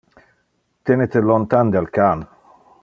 Tene te lontan del can.